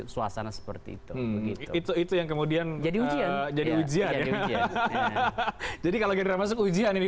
suasana seperti itu itu itu yang kemudian jadi ujian jadi ujian jadi kalau kita masuk ujian ini